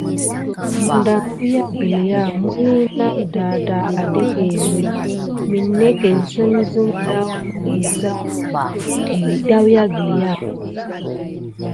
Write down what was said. Medam wiya gəlya miliye name dadah adake minetken sim sime ɗaou wisi gəlya.